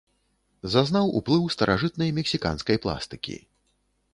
Зазнаў уплыў старажытнай мексіканскай пластыкі.